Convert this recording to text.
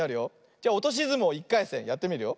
じゃおとしずもう１かいせんやってみるよ。